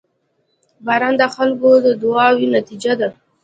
• باران د خلکو د دعاوو نتیجه ده.